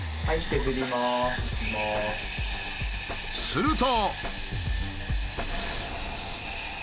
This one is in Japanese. すると。